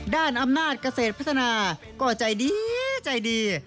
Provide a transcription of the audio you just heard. ด้านอำนาจเกษตรพัฒนาก็ใจดีใจดี